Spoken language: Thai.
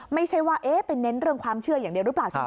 ไม่ใช่ว่าไปเน้นเรื่องความเชื่ออย่างเดียวหรือเปล่า